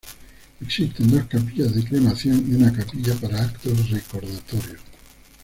Existen dos capillas de cremación y una capilla para actos recordatorios.